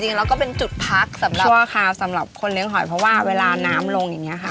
เราก็เป็นจุดพักสำหรับชั่วคราวสำหรับคนเลี้ยงหอยเพราะว่าเวลาน้ำลงอย่างนี้ค่ะ